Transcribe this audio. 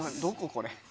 これ。